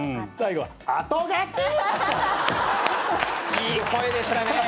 いい声でしたね。